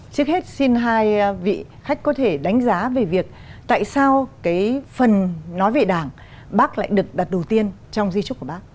trước hết xin hai vị khách có thể đánh giá về việc tại sao cái phần nói về đảng bác lại được đặt đầu tiên trong di trúc của bác